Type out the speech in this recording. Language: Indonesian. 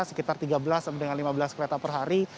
sekitar tiga belas sampai dengan lima belas kereta per hari